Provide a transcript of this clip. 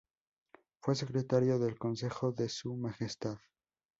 Fue Secretario del Consejo de Su Majestad.